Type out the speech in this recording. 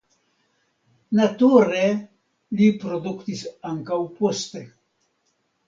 Nature li produktis ankaŭ poste.